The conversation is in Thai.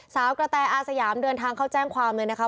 กระแตอาสยามเดินทางเข้าแจ้งความเลยนะคะ